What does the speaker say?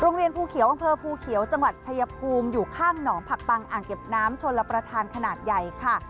ภูเขียวอำเภอภูเขียวจังหวัดชายภูมิอยู่ข้างหนองผักปังอ่างเก็บน้ำชนรับประทานขนาดใหญ่ค่ะ